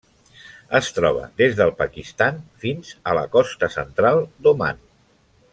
Es troba des del Pakistan fins a la costa central d'Oman.